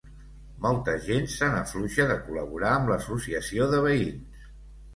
Molta gent se n'afluixa de col·laborar amb l'associació de veïns.